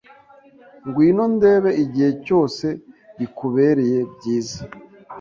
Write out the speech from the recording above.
Ngwino ndebe igihe cyose bikubereye byiza.